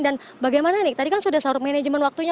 dan bagaimana nih tadi kan sudah sahur manajemen waktunya